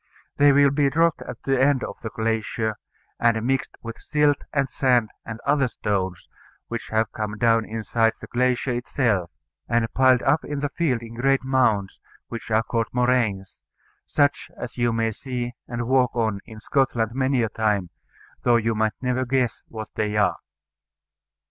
They will be dropped at the end of the glacier, and mixed with silt and sand and other stones which have come down inside the glacier itself, and piled up in the field in great mounds, which are called moraines, such as you may see and walk on in Scotland many a time, though you might never guess what they are.